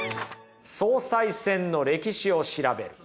「総裁選の歴史を調べる」。